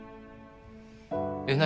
えっ何？